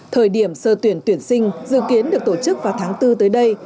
thời điểm sơ tuyển tuyển sinh dự kiến được tổ chức vào tháng bốn tới đây